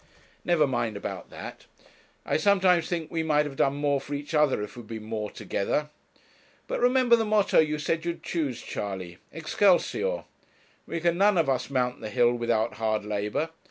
'Never mind about that; I sometimes think we might have done more for each other if we had been more together. But remember the motto you said you'd choose, Charley Excelsior! We can none of us mount the hill without hard labour.